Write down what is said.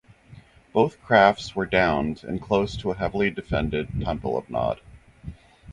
Both crafts were downed and close to a heavily defended Temple of Nod.